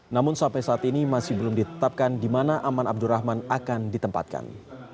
namun sampai saat ini masih belum ditetapkan di mana aman abdurrahman akan ditempatkan